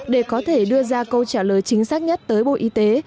để có thể đưa ra câu trả lời chính xác nhất tới bộ y tế